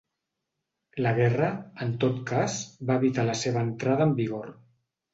La guerra, en tot cas, va evitar la seva entrada en vigor.